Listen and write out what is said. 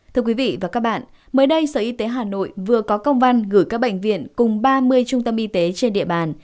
thưa quý vị và các bạn mới đây sở y tế hà nội vừa có công văn gửi các bệnh viện cùng ba mươi trung tâm y tế trên địa bàn